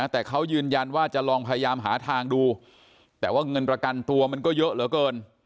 แต่เขายืนยันว่าจะลองพยายามหาทางดูแต่ว่าเงินประกันตัวมันก็เยอะเหลือเกิน